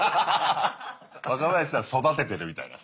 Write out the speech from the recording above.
若林さん育ててるみたいなさ。